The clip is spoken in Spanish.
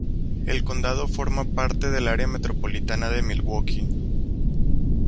El condado forma parte del área metropolitana de Milwaukee.